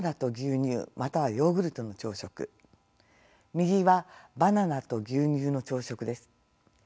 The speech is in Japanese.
右はバナナと牛乳の朝食です。